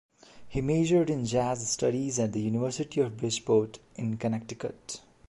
He majored in jazz studies at the University of Bridgeport in Connecticut.